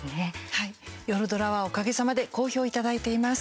はい、夜ドラはおかげさまで好評をいただいています。